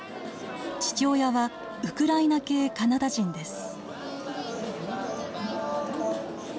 父親はウクライナ系カナダ人です。